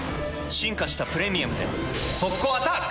進化した「プレミアム」で速攻アタック！